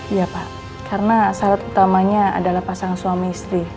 iya pak karena syarat utamanya adalah pasangan suami istri